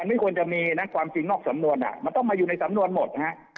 มันจะมีนักความจริงนอกสำนวนมันต้องมาอยู่ในสำนวนหมด